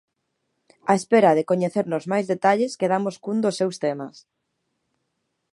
Á espera de coñecermos máis detalles quedamos cun dos seus temas.